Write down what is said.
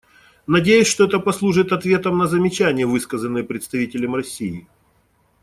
Надеюсь, что это послужит ответом на замечания, высказанные представителем России.